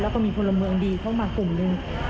แล้วก็มีพลเมืองดีเข้ามากลุ่มหนึ่ง